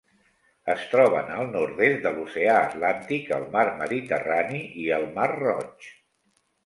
Es troben al nord-est de l'oceà Atlàntic, el mar Mediterrani i el mar Roig.